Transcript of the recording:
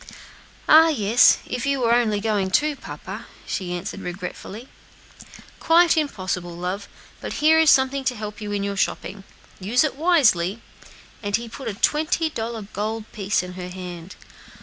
"Ah! yes, if you were only going too, papa," she answered regretfully. "Quite impossible, my pet; but here is something to help you in your shopping; use it wisely;" and he put a twenty dollar gold piece in her hand.